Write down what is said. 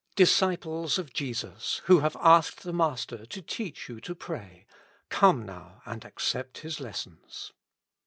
Disciples of Jesus ! who have asked the Master to teach you to pray, come now and accept His lessons.